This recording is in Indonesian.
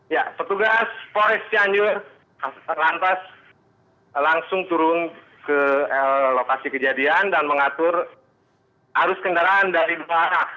ya petugas forest chanjur terlantas langsung turun ke lokasi kejadian dan mengatur arus kendaraan dari bawah